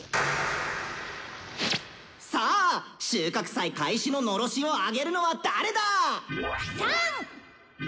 「さあ収穫祭開始の狼煙をあげるのは誰だ⁉」。